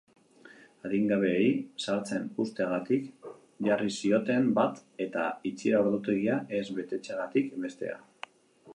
Adingabeei sartzen uzteagatik jarri zioten bat eta itxiera ordutegia ez betetzeagatik bestea.